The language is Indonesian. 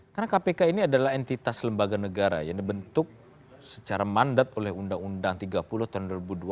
karena kpk ini adalah entitas lembaga negara yang dibentuk secara mandat oleh undang undang tiga puluh tahun dua ribu dua